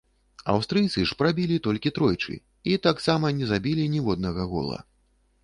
Аўстрыйцы ж прабілі толькі тройчы, і таксама не забілі ніводнага гола.